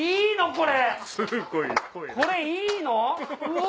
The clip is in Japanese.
これいいの⁉うわ